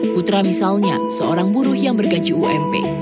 putra misalnya seorang buruh yang bergaji ump